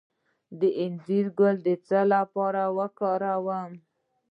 د انځر ګل د څه لپاره وکاروم؟